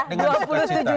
dengan suka cita